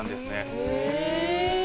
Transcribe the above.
へえ！